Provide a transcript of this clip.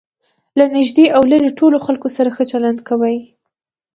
له نژدې او ليري ټولو خلکو سره ښه چلند کوئ!